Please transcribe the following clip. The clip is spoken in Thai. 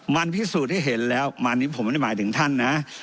มันพิสูจน์ให้เห็นแล้วมันนี่ผมไม่ได้หมายถึงท่านนะ